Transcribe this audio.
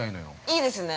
◆いいですね。